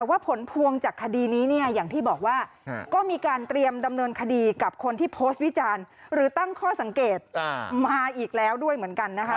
แต่ว่าผลพวงจากคดีนี้เนี่ยอย่างที่บอกว่าก็มีการเตรียมดำเนินคดีกับคนที่โพสต์วิจารณ์หรือตั้งข้อสังเกตมาอีกแล้วด้วยเหมือนกันนะคะ